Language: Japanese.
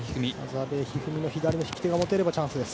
阿部一二三の左の引き手が持てればチャンスです。